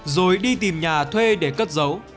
rồi đi tìm nhà thuê để cất dấu